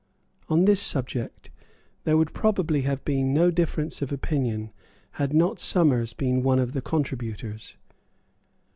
On this subject there would probably have been no difference of opinion had not Somers been one of the contributors.